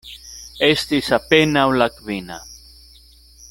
Estis apenaŭ la kvina.